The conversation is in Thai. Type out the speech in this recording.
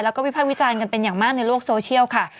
แล้วก็วิภาควิจารณ์กันเป็นอย่างมากในโลกโซเชียลค่ะ